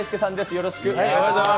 よろしくお願いします。